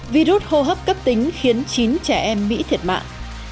virus hô hấp cấp tính khiến chín trẻ em mỹ thiệt mạng